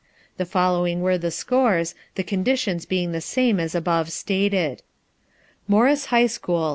The following were the scores, the conditions being the same as above stated: Morris High School.